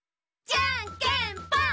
じゃんけんぽん！